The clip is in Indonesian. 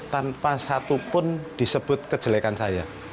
tanpa satu pun disebut kejelekan saya